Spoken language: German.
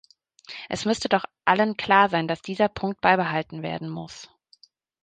Es müsste doch allen klar sein, dass dieser Punkt beibehalten werden muss.